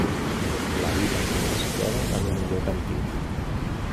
La vila està situada en un lloc antic.